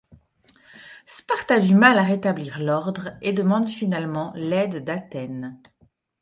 Sparte a du mal à rétablir l'ordre et demande finalement l'aide d'Athènes.